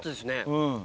うん。